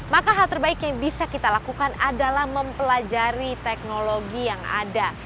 maka hal terbaik yang bisa kita lakukan adalah mempelajari teknologi yang ada